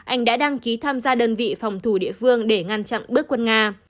anh đã đăng ký tham gia đơn vị phòng thủ địa phương để ngăn chặn bước quân nga